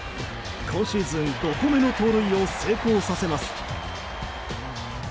今シーズン５個目の盗塁を成功させます。